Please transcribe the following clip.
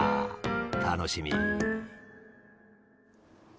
楽しみ。